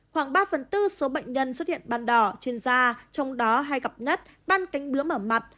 khoảng ba phần tư số bệnh nhân xuất hiện ban đỏ trên da trong đó hay gặp nhất ban cánh bướm ở mặt